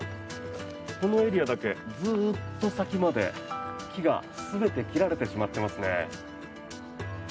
このエリアだけずっと先まで木が全て切られてしまってます。